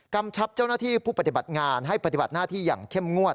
ชับเจ้าหน้าที่ผู้ปฏิบัติงานให้ปฏิบัติหน้าที่อย่างเข้มงวด